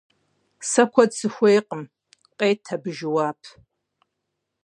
- Сэ куэд сыхуейкъым, - къет абы жэуап.